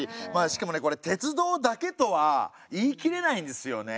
しかもねこれ鉄道だけとは言い切れないんですよね。